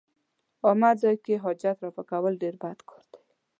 عامه ځای کې حاجت رفع کول ډېر بد کار دی.